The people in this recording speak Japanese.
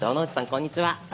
こんにちは。